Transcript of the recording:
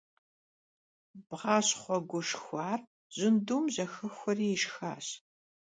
Bğaşxhue guşşxuar, jındum jexexueri yişşxaş.